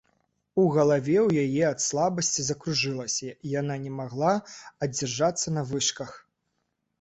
У галаве ў яе ад слабасці закружылася, яна не магла адзержацца на вышках.